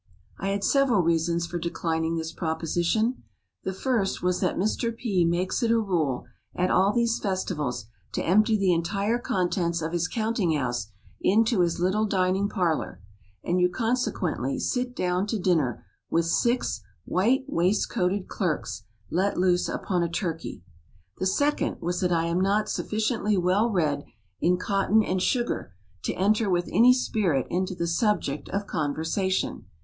I had several reasons for declining this proposition. The first was that Mr. P. makes it a rule, at all these festivals, to empty the entire contents of his counting house into his little dining parlor; and you consequently sit down to dinner with six white waistcoated clerks, let loose upon a turkey. The second was that I am not sufficiently well read in cotton and sugar, to enter with any spirit into the subject of conversation.